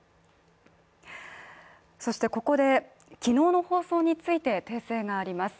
そしてここで昨日の放送について訂正があります。